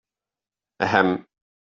Ehem!